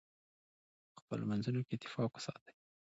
په خپلو منځونو کې اتفاق وساتئ.